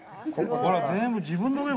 ほら全部自分のメモ。